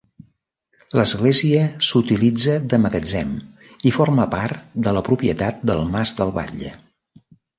L'església s'utilitza de magatzem i forma part de la propietat del mas del Batlle.